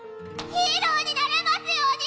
ヒーローになれますように！